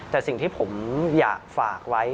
แต่สิ่งที่ผมอยากฝากไว้